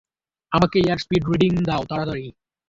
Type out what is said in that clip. আমাকে air speed reading দাও তাড়াতাড়ি!